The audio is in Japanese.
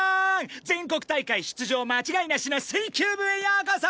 全国大会出場間違いなしの水球部へようこそ！